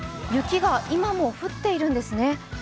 雪が今も降っているんですね。